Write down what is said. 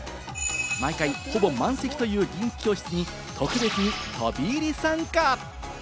毎回ほぼ満席という人気教室に特別に飛び入り参加。